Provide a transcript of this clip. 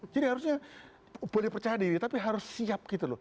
harusnya boleh percaya diri tapi harus siap gitu loh